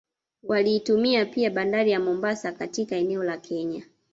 Waliitumia pia Bandari ya Mombasa katika eneo la Kenya